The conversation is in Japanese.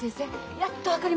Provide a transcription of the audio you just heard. やっと分かりました。